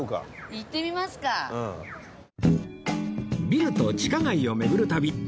ビルと地下街を巡る旅